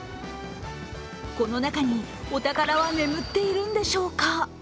この中にお宝は眠っているんでしょうか。